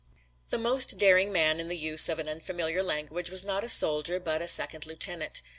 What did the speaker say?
The most daring man in the use of an unfamiliar language was not a soldier but a second lieutenant.